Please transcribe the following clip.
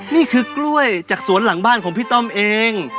นี่คือกล้วยจากสวนหลังบ้านของพี่ต้อมเอง